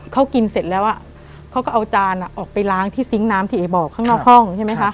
เขากินเสร็จแล้วเขาก็เอาจานออกไปล้างที่ซิงค์น้ำที่เอ๋บอกข้างนอกห้องใช่ไหมคะ